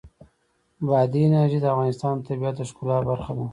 بادي انرژي د افغانستان د طبیعت د ښکلا برخه ده.